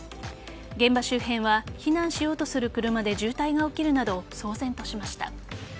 現場周辺は避難しようとする車で渋滞が起きるなど騒然としました。